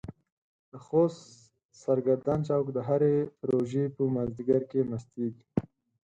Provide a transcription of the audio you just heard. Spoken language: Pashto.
د خوست سرګردان چوک د هرې روژې په مازديګر کې مستيږي.